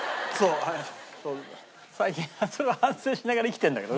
最近それを反省しながら生きてるんだけど。